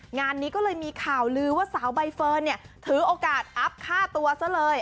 งานนี้ก็เลยมีข่าวลือว่าสาวใบเฟิร์นเนี่ยถือโอกาสอัพค่าตัวซะเลย